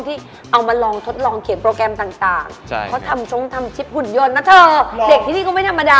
ถูกป้าห้องนี้ได้แหละ